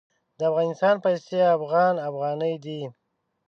د افغانستان پیسې افغان افغاني دي.